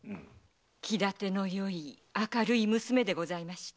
気立てのよい明るい娘でした。